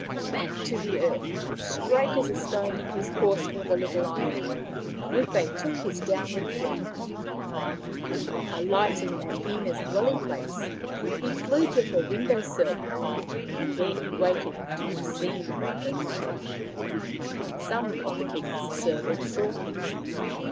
Back to the earth, straight as a stone in his course for the little island, Rupe took his down ward flight. Alighting at Hina's dwelling place, he flew to her window sill. There he waited to be seen by her. fo Maoriland Fairy Tales Some of the king's servants saw him.